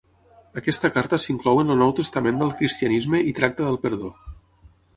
Aquesta carta s'inclou en el Nou Testament del cristianisme i tracta del perdó.